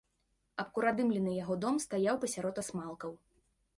Абкуродымлены яго дом стаяў пасярод асмалкаў.